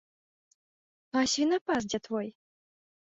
А свінапас дзе твой?